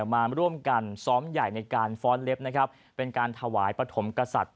มาร่วมกันซ้อมใหญ่ในการฟ้อนเล็บนะครับเป็นการถวายปฐมกษัตริย์